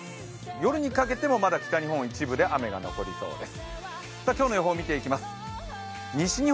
夜にかけてもまだ北日本の一部で雨雲が残りそうです。